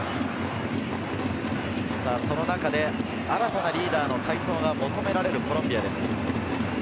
その中で新たなリーダーの台頭が求められるコロンビアです。